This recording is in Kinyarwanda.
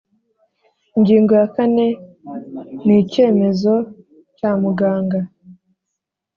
ingingo ya kane n icyemezo cya muganga